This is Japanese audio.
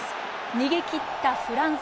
逃げきったフランス。